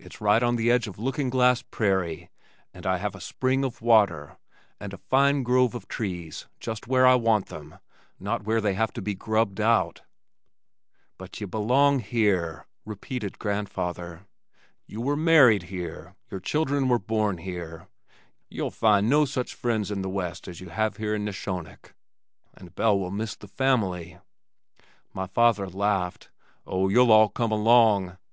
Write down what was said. It's right on the edge of Looking Glass Prairie, and I have a spring of water, and a fine grove of trees just where I want them, not where they have to be grubbed out." "But ye belong here," repeated Grandfather. "You were married here, your children were born here. Ye'll find no such friends in the west as you have here in Neshonoc. And Belle will miss the family." My father laughed. "Oh, you'll all come along.